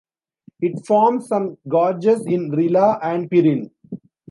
It forms some gorges in Rila and Pirin.